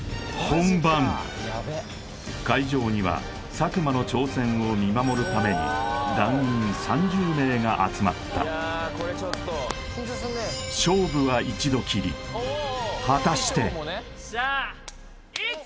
会場には佐久間の挑戦を見守るために団員３０名が集まった果たしてよっしゃＩｔ